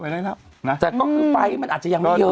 แต่คือไฟมันอาจจะยังไม่เยอะ